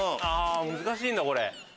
難しいんだこれ。